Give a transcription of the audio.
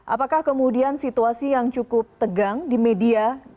apakah kemudian situasi yang cukup tegang di media